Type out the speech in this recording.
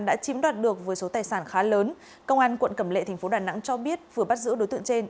đã chiếm đoạt được với số tài sản khá lớn công an quận cẩm lệ thành phố đà nẵng cho biết vừa bắt giữ đối tượng trên